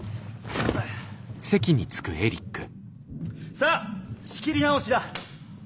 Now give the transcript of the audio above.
さあ仕切り直しだ。